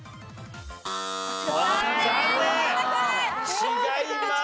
違います。